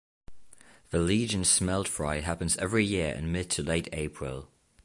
The Legion's Smelt Fry happens every year in mid to late April.